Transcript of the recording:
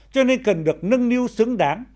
cho nên cần được nâng niu xứng đáng